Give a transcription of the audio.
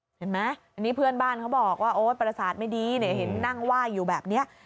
เห็นไหมอันนี้เพื่อนบ้านเขาบอกว่าโอ๊ยประสาทไม่ดีเห็นนั่งไหว้อยู่แบบนี้